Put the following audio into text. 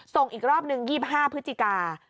ส่งอีกรอบนึง๒๕พฤศจิกา